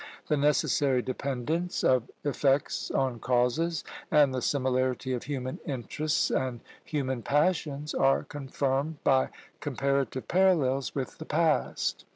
The necessary dependence of effects on causes, and the similarity of human interests and human passions, are confirmed by comparative parallels with the past.